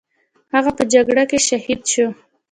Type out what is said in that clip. هغه په جګړه کې شهید شو.